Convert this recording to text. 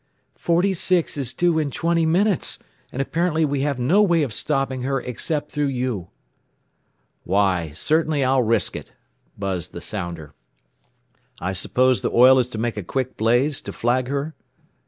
"46 is due in twenty minutes, and apparently we have no way of stopping her except through you." "Why, certainly I'll risk it," buzzed the sounder. "I suppose the oil is to make a quick blaze, to flag her?"